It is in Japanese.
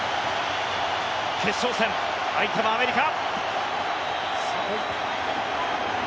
決勝戦、相手はアメリカ。